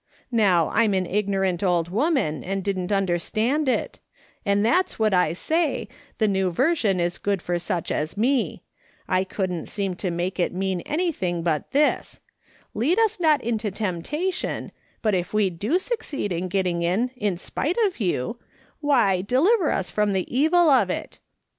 ' Now, I'm an ignorant old woman, and didn't understand it ; and that's what I say, the New Version is good for such as me — I couldn't 270 MRS. SOLOMON SMITH LOOKING ON. seem to make it mean anything but this :' Lead us not into temptation, but if we do succeed in getting in in spite of you, why, deliver us from the evil of it.